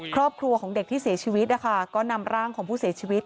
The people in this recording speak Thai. ครอบครัวของเด็กที่เสียชีวิตนะคะก็นำร่างของผู้เสียชีวิต